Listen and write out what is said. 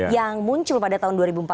yang muncul pada tahun dua ribu empat belas